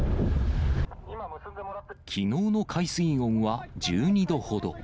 きのうの海水温は１２度ほど。